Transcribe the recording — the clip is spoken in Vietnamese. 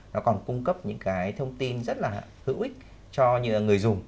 nó còn cung cấp những cái thông tin rất là hữu ích cho những người dùng